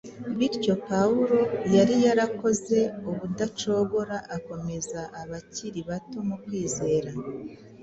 Bityo Pawulo yari yarakoze ubudacogora akomeza abakiri bato mu kwizera